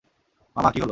মামা, কী হলো?